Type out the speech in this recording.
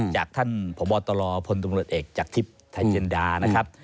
จากท่านพบตลพตเอกจากทิศไทยเจนดานะครับ